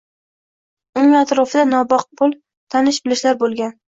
Uning atrofida nomaqbul tanish-bilishlar bo’lgan.